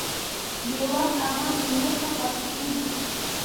بېوخت عمل بېموخه پاتې کېږي.